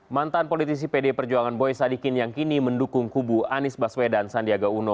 mantan politisi pd perjuangan boy sadikin yang kini mendukung kubu anies baswedan sandiaga uno